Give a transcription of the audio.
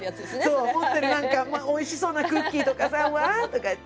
そう持ってる何かおいしそうなクッキーとかさ「わ」とか言って。